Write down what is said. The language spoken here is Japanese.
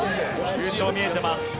優勝見えてます。